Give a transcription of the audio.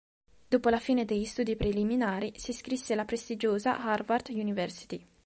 Dopo la fine degli studi preliminari, si iscrisse alla prestigiosa Harvard University.